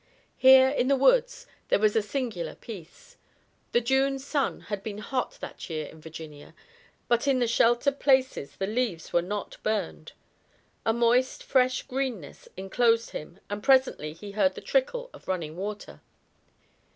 Here in the woods there was a singular peace. The June sun had been hot that year in Virginia, but in the sheltered places the leaves were not burned. A moist, fresh greenness enclosed him and presently he heard the trickle of running water.